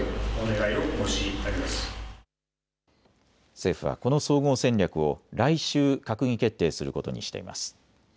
政府はこの総合戦略を来週、閣議決定することにしています。